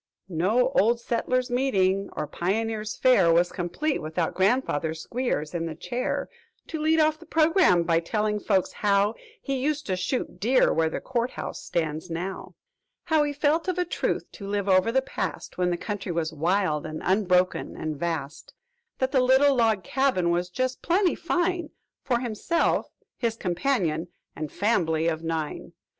"No Old Settlers' Meeting, or Pioneers' Fair, Was complete without grandfather Squeers in the chair, "To lead off the programme by telling folks how 'He used to shoot deer where the Court House stands now' "How 'he felt, of a truth, to live over the past, When the country was wild and unbroken and vast, "'That the little log cabin was just plenty fine For himself, his companion, and fambly of nine!